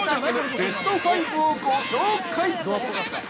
ベスト５をご紹介！